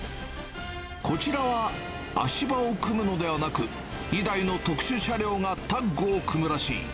こちらは足場を組むのではなく、２台の特殊車両がタッグを組むらしい。